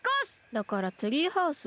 だからツリーハウスは？